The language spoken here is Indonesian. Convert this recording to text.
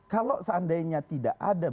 kalau seandainya tidak ada